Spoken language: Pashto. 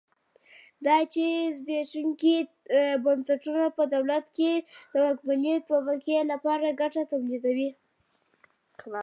دا چې زبېښونکي بنسټونه په دولت کې د واکمنې طبقې لپاره ګټه تولیدوي.